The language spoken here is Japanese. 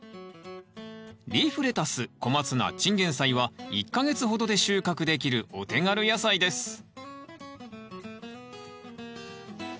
リーフレタスコマツナチンゲンサイは１か月ほどで収穫できるお手軽野菜です